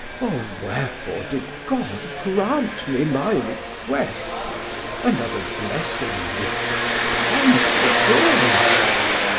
O wherefore did God grant me my request, And as a blessing with such pomp adorn'd?